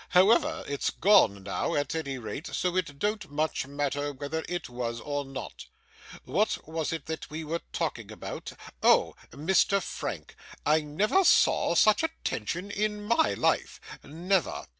'However, it's gone now at any rate, so it don't much matter whether it was or not. What was it we were talking about? Oh! Mr. Frank. I never saw such attention in MY life, never.